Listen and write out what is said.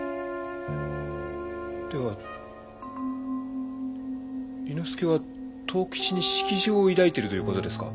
では猪之助は藤吉に色情を抱いているという事ですか？